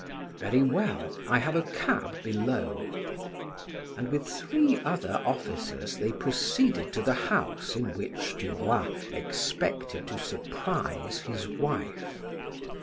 "Very well, I have a cab below." And with three other officers they proceeded to the house in which Du Roy expected to surprise his wife.